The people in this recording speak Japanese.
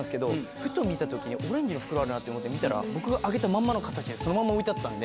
ふと見た時にオレンジの袋あるなって思って見たら僕があげたまんまの形でそのまま置いてあったんで。